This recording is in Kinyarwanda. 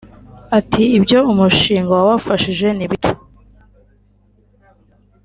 Ati “ibyo umushinga wabafashije ni bito